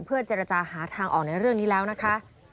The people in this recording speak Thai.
เพื่อเจรจาหาทางออกในเรื่องนี้แล้วนะคะ